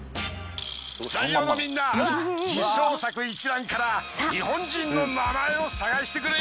スタジオのみんな受賞作一覧から日本人の名前を探してくれ。